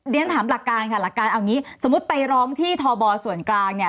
เรียนถามหลักการค่ะหลักการเอางี้สมมุติไปร้องที่ทบส่วนกลางเนี่ย